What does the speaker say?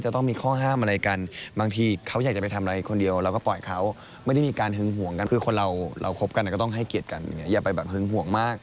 สมมุติว่าถ้าเกิดในอนาคตนะคิดเล่น